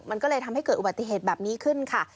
มันก็เลยทำให้เกิดอุบัติเหตุแบบนี้ขึ้นค่ะ